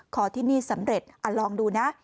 ที่นี่สำเร็จลองดูนะ